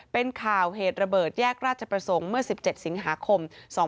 เป็นข่าวเหตุระเบิดแยกราชประสงค์เมื่อ๑๗สิงหาคม๒๕๕๙